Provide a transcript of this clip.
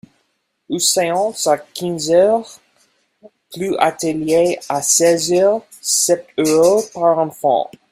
Ou séance à quinze heures plus atelier à seize heures : sept euros par enfant.